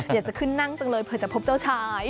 อยากจะขึ้นนั่งจังเลยเผื่อจะพบเจ้าชาย